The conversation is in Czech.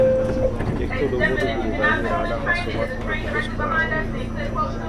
Z těchto důvodů budu velmi ráda hlasovat pro tuto zprávu.